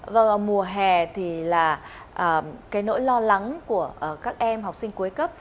vâng mùa hè thì là cái nỗi lo lắng của các em học sinh cuối cấp